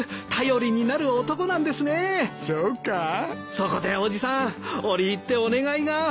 そこで伯父さん折り入ってお願いが。